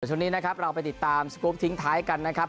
ตอนนี้นะครับเราไปติดตามทิ้งท้ายกันนะครับ